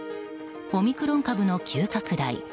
オミクロン株の急拡大。